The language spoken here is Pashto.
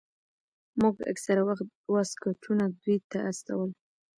موږ اکثره وخت واسکټونه دوى ته استول.